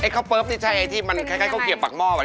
ข้าวเฟิร์ฟนี่ใช่ไอ้ที่มันคล้ายข้าวเกียบปากหม้อ